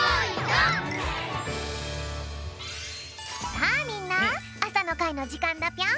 さあみんなあさのかいのじかんだぴょん。